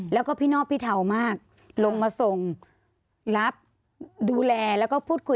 แล้วก็พี่นอบพี่เถามากลงมาส่งรับดูแล